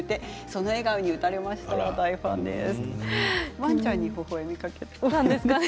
ワンちゃんにほほえみかけたんですかね？